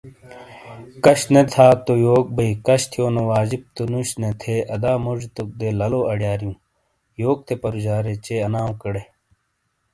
کش نے تھا یوک بئیی ۔کش تھیونو واجب تو نوش نے تھے ادا موجی توک دے لالو آڈیاریوں۔ یوک تھے پرُوجارے چے اناؤکیڈے۔